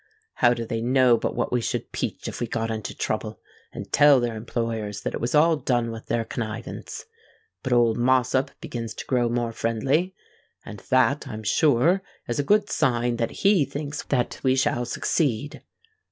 How do they know but what we should peach, if we got into trouble, and tell their employers that it was all done with their connivance? But old Mossop begins to grow more friendly; and that, I'm sure, is a good sign that he thinks that we shall succeed."